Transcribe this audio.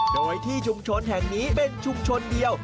โดยที่ชุมชนแห่งนี้เป็นชุมชนเดียว